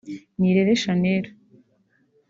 Nirere Shanel